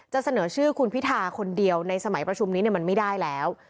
เสนอชื่อคุณพิธาคนเดียวในสมัยประชุมนี้มันไม่ได้แล้ว